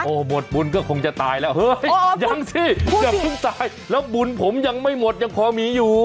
หมดบุญก็คงจะตายแล้วเฮ้ยยังสิเกือบถึงตายแล้วบุญผมยังไม่หมดยังพอมีอยู่